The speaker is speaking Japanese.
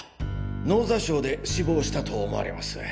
脳挫傷で死亡したと思われます。